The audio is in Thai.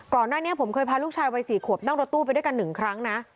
ก่อนหน้านี้ผมเคยพาลูกชายวัย๔ขวบนั่งรถตู้ไปด้วยกัน๑ครั้งนะ